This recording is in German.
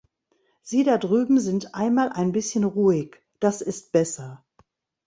Sie da drüben sind einmal ein bisschen ruhig, das ist besser!